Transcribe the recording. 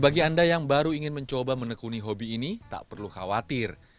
bagi anda yang baru ingin mencoba menekuni hobi ini tak perlu khawatir